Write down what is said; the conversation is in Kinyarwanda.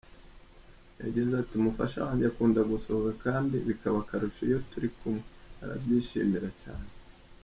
Yagize ati “Umufasha wanjye akunda gusohoka kandi bikaba akarusho iyo turi kumwe, arabyishimira cyane.